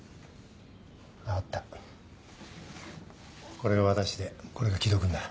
これが私でこれが木戸君だ。